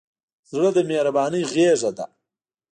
زړه د مهربانۍ غېږه ده.